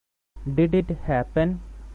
Did it happen?